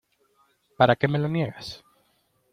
¿ para qué me lo niegas?